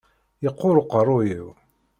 Yeqqur uqerruy-iw.